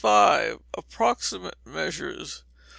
Approximate Measures.